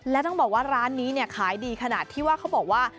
และต้องบอกว่าร้านนี้เนี่ยขายดีขนาดที่ว่าเขาบอกว่า